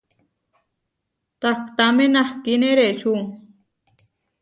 Tahtáme nahkíne reʼečú.